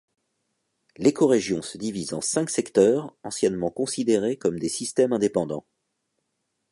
L'écorégion se divise en cinq secteurs, anciennement considérés comme des systèmes indépendants.